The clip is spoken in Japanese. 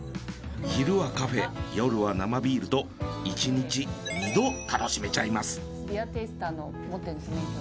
昼はカフェ夜は生ビールと１日２度楽しめちゃいます。